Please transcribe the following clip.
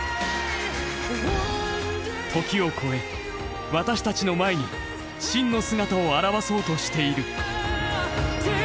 時を超え私たちの前に真の姿を現そうとしている。